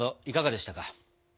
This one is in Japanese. いかがでしたか？